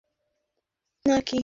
ওদের সাথে মরতে চাচ্ছেন নাকি?